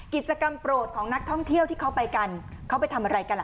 กิจกรรมโปรดของนักท่องเที่ยวที่เขาไปกันเขาไปทำอะไรกันล่ะ